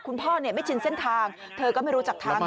คุณพ่อไม่ชินเส้นทางเธอก็ไม่รู้จักทาง